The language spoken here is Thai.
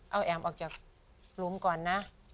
เอาแอ๋มออกจากหลุมก่อนนะ